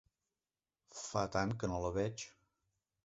Fa tant que no la veig...